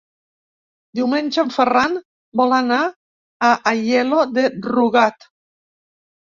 Diumenge en Ferran vol anar a Aielo de Rugat.